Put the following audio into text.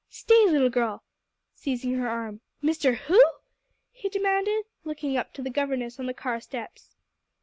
"Stay, little girl," seizing her arm. "Mr. who?" he demanded, looking up to the governess on the car steps.